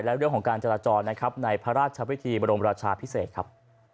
และเรื่องของการจราจรนะครับในพระราชวิธีบรมราชาพิเศษครับ